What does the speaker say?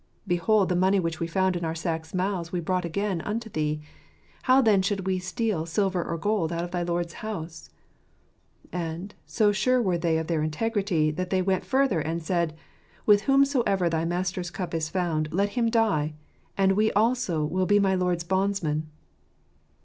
Behold, the money which we found in our sacks' mouths we brought again unto thee : how then should we steal silver or gold out of thy lord's house ?" And, so sure were they of their integrity, that they went further and said :" With whomsoever thy master's cup is found, let him die, and we also will be my lord's bondmen."